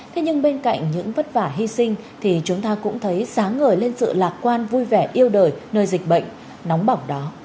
thế nhưng bên cạnh những vất vả hy sinh thì chúng ta cũng thấy sáng ngời lên sự lạc quan vui vẻ yêu đời nơi dịch bệnh nóng bỏng đó